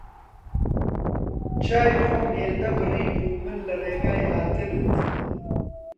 چاوی خۆم هێندە بڕیبوو من لە ڕێگای هاتنت